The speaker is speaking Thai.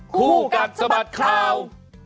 คู่กัดสะบัดข่าว